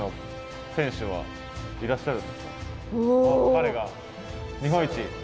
彼が日本一。